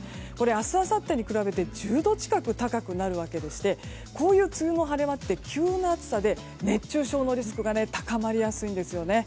明日、あさってに比べて１０度近く高くなるわけでしてこういう梅雨の晴れ間って急な暑さで熱中症のリスクが高まりやすいんですよね。